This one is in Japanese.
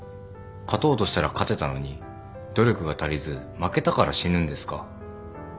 勝とうとしたら勝てたのに努力が足りず負けたから死ぬんですか？